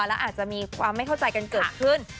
แล้วอาจจะมีความไม่เข้าใจกันเกิดขึ้น